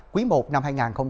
quý i năm hai nghìn hai mươi ba